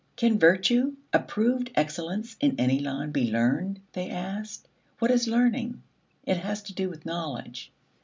Can virtue, approved excellence in any line, be learned, they asked? What is learning? It has to do with knowledge.